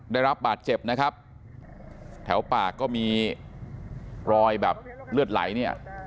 ได้รับบาดเจ็บนะครับแถวปากก็มีรอยแบบเลือดไหลเนี่ย